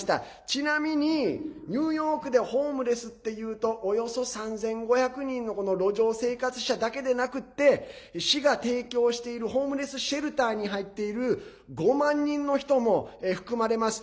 ちなみに、ニューヨークでホームレスっていうとおよそ３５００人のこの路上生活者だけでなくって市が提供しているホームレスシェルターに入っている５万人の人も含まれます。